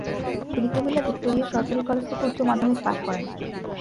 তিনি কুমিল্লা ভিক্টোরিয়া সরকারি কলেজ থেকে উচ্চমাধ্যমিক পাশ করেন।